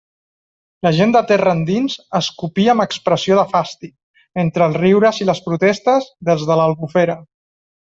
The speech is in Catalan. La gent de terra endins escopia amb expressió de fàstic, entre els riures i les protestes dels de l'Albufera.